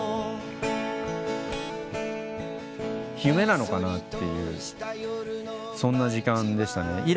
夢なのかなっていうそんな時間でしたね。